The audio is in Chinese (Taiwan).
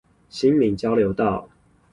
新民交流道